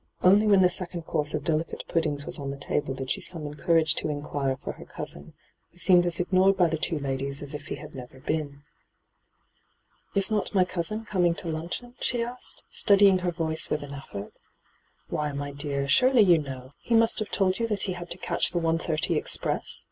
Only when the second course of delicate puddings was on the table did she summon courage to inquire for her cousin, who seemed aa ignored by the two ladies as if he had never been. * Is not my cousin coming to luncheon ?' she asked, steadying her voice with an effort. ' Why, my dear, surely you know : he must have told you that he had to catch the 1.30 express